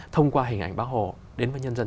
thông qua hình ảnh bác hồ đến với nhân dân